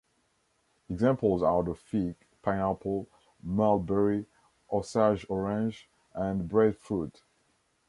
Examples are the fig, pineapple, mulberry, osage-orange, and breadfruit.